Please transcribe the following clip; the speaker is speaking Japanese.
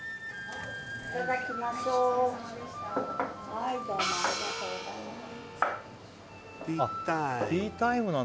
はいどうもありがとうございます